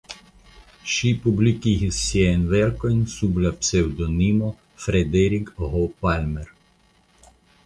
Ŝi publikigis siajn verkojn sub la pseŭdonimo Frederik H. Palmer.